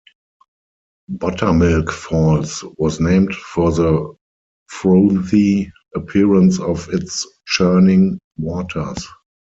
Buttermilk Falls was named for the frothy appearance of its churning waters.